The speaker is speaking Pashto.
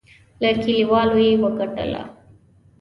له کلیوالو یې وګټله.